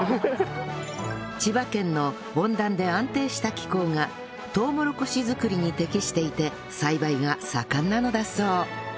千葉県の温暖で安定した気候がとうもろこし作りに適していて栽培が盛んなのだそう